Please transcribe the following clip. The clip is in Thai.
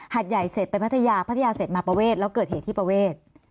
ใหญ่เสร็จไปพัทยาพัทยาเสร็จมาประเวทแล้วเกิดเหตุที่ประเวท